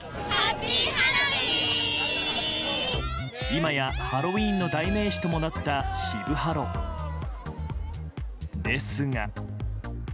今や、ハロウィーンの代名詞ともなった渋ハロ。ですが。